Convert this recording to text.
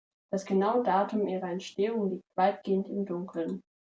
Das genaue Datum ihrer Entstehung liegt weitgehend im Dunkeln.